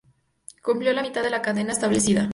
Cumplió la mitad de la condena establecida.